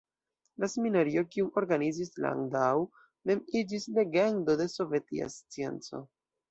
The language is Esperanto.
La seminario, kiun organizis Landau, mem iĝis legendo de sovetia scienco.